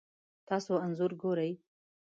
تاسو انځور ګورئ